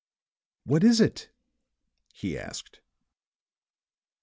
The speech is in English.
"What is it?" he asked.